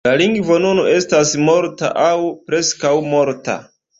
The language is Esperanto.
La lingvo nun estas morta aŭ preskaŭ morta.